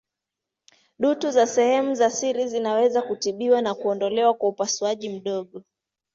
Dutu za sehemu za siri zinaweza kutibiwa na kuondolewa kwa upasuaji mdogo.